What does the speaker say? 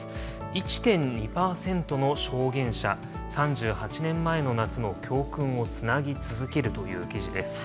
１．２％の証言者、３８年前の夏の教訓をつなぎ続けるという記事です。